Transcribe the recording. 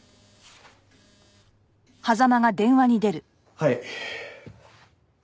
はい。